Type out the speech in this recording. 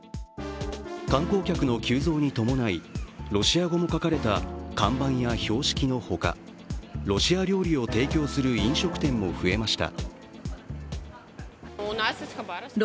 観光客の急増に伴い、ロシア語の書かれた看板や標識のほかロシア料理を提供する飲食店も増えました。